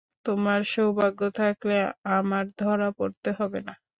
তোমার সৌভাগ্য থাকলে, আমার ধরা পড়তে হবে না।